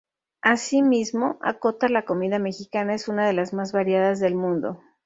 Así mismo, acota la comida mexicana es una de las más variadas del mundo.